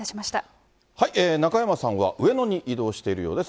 中山さんは、上野に移動しているようです。